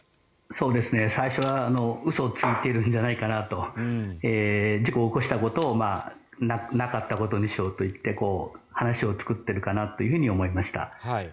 最初は嘘をついているんじゃないかなと事故を起こしたことをなかったことにしようといって話を作っているかなと思いました。